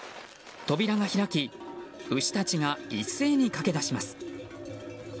扉が開き、牛たちが一斉に駆け出します。